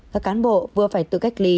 các cán bộ vừa phải tự cách ly